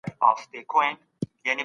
دا هغه استدلال دی چي په مدرسو کي نه و.